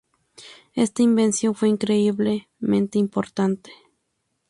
Esta invención fue increíblemente importante.